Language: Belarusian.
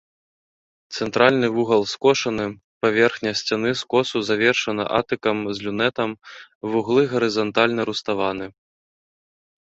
Цэнтральны вугал скошаны, паверхня сцяны скосу завершана атыкам з люнетам, вуглы гарызантальна руставаны.